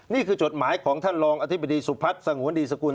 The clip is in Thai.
จดหมายของท่านรองอธิบดีสุพัฒน์สงวนดีสกุล